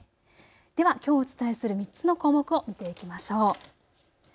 ではきょうお伝えする３つの項目を見ていきましょう。